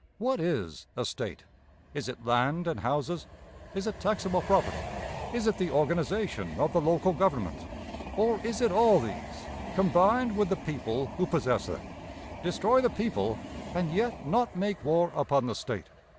What is a State? Is it land and houses? Is it taxable property? Is it the organization of the local government? Or is it all these combined with the people who possess them? Destroy the people, and yet not make war upon the State!